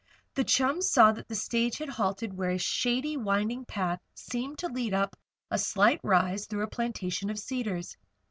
The chums saw that the stage had halted where a shady, winding path seemed to lead up a slight rise through a plantation of cedars.